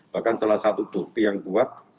bahkan salah satu bukti yang kuat